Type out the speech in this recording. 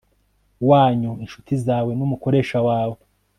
wanyu inshuti zawe n umukoresha wawe